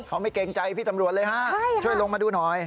เขาไม่เกรงใจพี่ตำรวจเลยฮะช่วยลงมาดูหน่อย